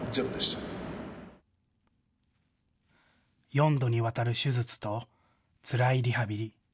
４度にわたる手術とつらいリハビリ。